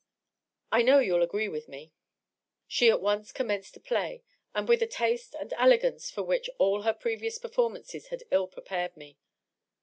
.. I know you'll agree with me." She at once commenced to play, and with a taste and elegance for which all her previous performance had ill prepared me.